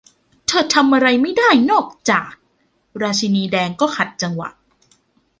เธอทำอะไรไม่ได้นอกจาก 'ราชินีแดงก็ขัดจังหวะ